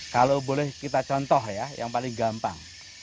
kalau boleh kita contoh ya yang paling gampang